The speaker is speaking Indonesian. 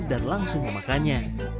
dan langsung memakannya